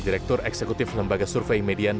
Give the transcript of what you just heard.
direktur eksekutif lembaga survei median